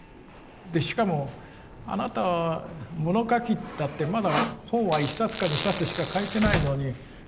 でしかもあなたは物書きったってまだ本は１冊か２冊しか書いてないのにこれからどうすんですか。